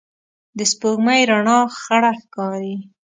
د سپوږمۍ رڼا خړه ښکاري